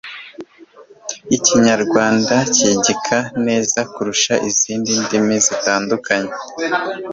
ikinyarwanda kigika neza kurusha izindi ndimi zitandukanye